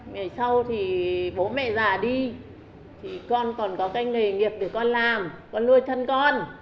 ngày sau thì bố mẹ già đi thì con còn có cái nghề nghiệp để con làm con nuôi thân con